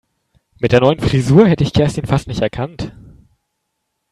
Mit der neuen Frisur hätte ich Kerstin fast nicht erkannt.